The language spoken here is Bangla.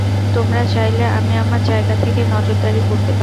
তোমরা চাইলে আমি আমার জায়গা থেকে নজরদারি করতে পারি।